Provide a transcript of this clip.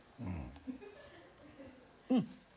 うん。